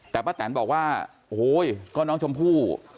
แต่ป้าแตนบอกว่าโอ้โหก็น้องชมพู่